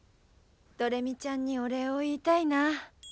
どれみちゃんにお礼を言いたいな。